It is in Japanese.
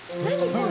これ。